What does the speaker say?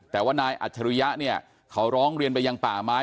แต่ว่านายอัจฉริยะเนี่ยเขาร้องเรียนไปยังป่าไม้